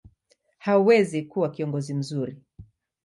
hawezi kuwa kiongozi mzuri.